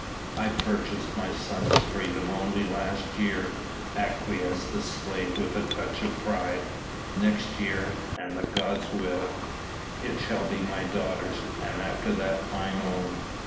"I purchased my son's freedom only last year," acquiesced the slave with a touch of pride. "Next year, an the gods will, it shall be my daughter's and after that mine own.